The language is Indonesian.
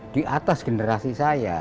di atas generasi saya